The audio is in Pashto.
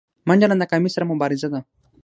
منډه له ناکامۍ سره مبارزه ده